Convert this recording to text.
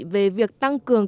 về việc tăng cường